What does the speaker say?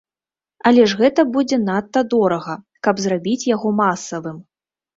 Але ж гэта будзе надта дорага, каб зрабіць яго масавым.